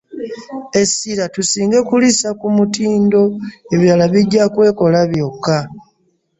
Essira tusinge kulissa ku mutindo ebirala bijja kwekola byokka.